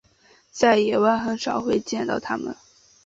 在野外很少会见到它们。